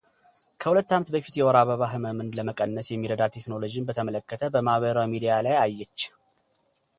ከሁለት ዓመት በፊት የወር አበባ ህመምን ለመቀነስ የሚረዳ ቴክኖሎጂን በተመለከተ በማኅበራዊ ሚዲያ ላይ አየች።